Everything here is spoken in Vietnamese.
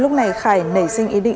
lúc này khải nảy sinh ý định